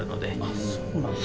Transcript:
あっそうなんだ。